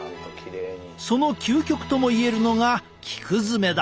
その究極とも言えるのが菊詰めだ。